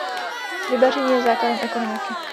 Rybaření je základem ekonomiky.